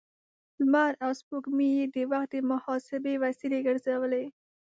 لمر او سپوږمۍ يې د وخت د محاسبې وسیلې ګرځولې.